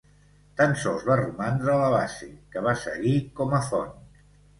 Tan sols va romandre la base, que va seguir com a font.